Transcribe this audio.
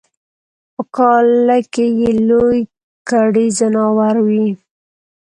په کاله کی یې لوی کړي ځناور وي